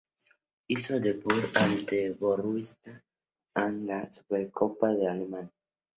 Hizo su debut ante el Borussia Dortmund en la Supercopa de Alemania.